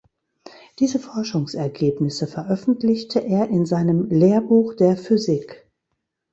Diese Forschungsergebnisse veröffentlichte er in seinem "Lehrbuch der Physik".